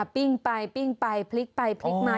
ปิ้งไปปิ้งไปพลิกไปพลิกมา